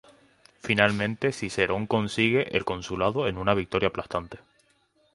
Finalmente Cicerón consigue el consulado en una victoria aplastante.